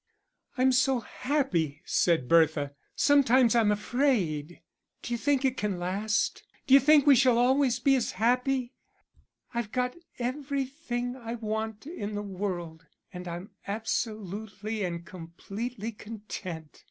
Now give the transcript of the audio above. "I'm so happy," said Bertha. "Sometimes I'm afraid.... D'you think it can last, d'you think we shall always be as happy? I've got everything I want in the world, and I'm absolutely and completely content."